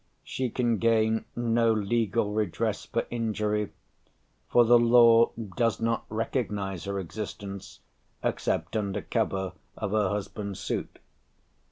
She can gain no legal redress for injury, for the law does, not recognize her existence except under cover of her husband's suit.